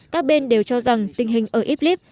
các bên đều cho rằng tình hình ở idlib